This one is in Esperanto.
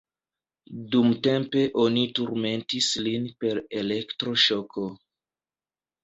Dumtempe oni turmentis lin per elektro-ŝoko.